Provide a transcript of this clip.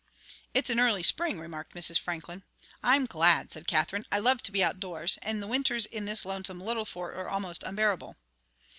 "It's an early Spring," remarked Mrs. Franklin. "I'm glad," said Katherine; "I love to be outdoors, and the Winters in this lonesome little Fort are almost unbearable."